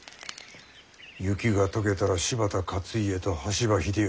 雪が解けたら柴田勝家と羽柴秀吉